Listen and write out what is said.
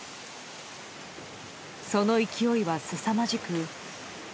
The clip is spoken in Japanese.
その勢いはすさまじく。